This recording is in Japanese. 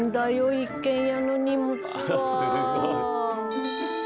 一軒家の荷物は。